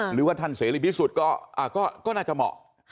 หรือว่าท่านเสรีบที่สุดก็น่าจะเหมาะ